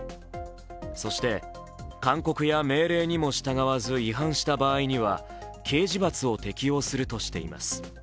そして、勧告や命令にも従わず違反した場合には刑事罰を適用するとしています。